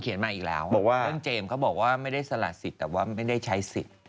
เรียกว่าเรื่องเจมส์เค้าบอกว่าไม่ได้ฉลาดสิทธิ์แต่ว่าไม่ได้ใช่สิทธิ์